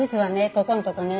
ここんとこね